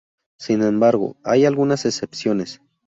Sin embargo, hay algunas excepciones.